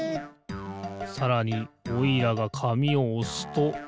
さらにおいらが紙をおすと。